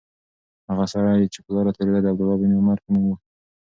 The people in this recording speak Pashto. هغه سړی چې پر لاره تېرېده د عبدالله بن عمر په نوم و.